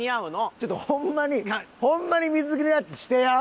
ちょっとホンマにホンマに水着のやつしてや。